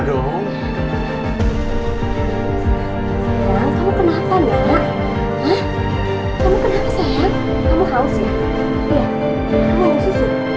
kamu mau susu